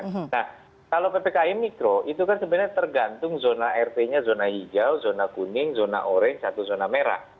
nah kalau ppkm mikro itu kan sebenarnya tergantung zona rt nya zona hijau zona kuning zona orange atau zona merah